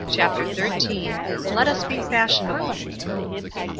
CHAPTER XIII. "LET US BE FASHIONABLE."